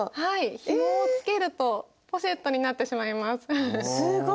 ひもをつけるとポシェットになってしまいます。